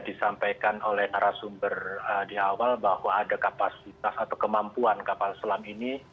disampaikan oleh arah sumber di awal bahwa ada kapasitas atau kemampuan kapal selam ini